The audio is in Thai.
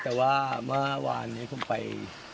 แต่ว่าเมื่อวานนี้ผมไป